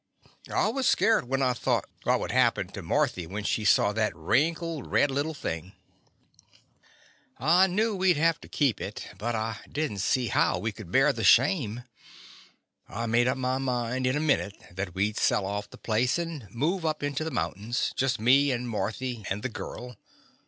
I was scairt when I thought what would happen to Mar thy when she saw that wrinkled, red little thing. The Confessions of a Daddy I knew we 'd have to keep it, but I did n't see how we could bear the shame. I made up my mind in a minute that we 'd sell off the place and move up into the mountains — just me and Marthy and the girl.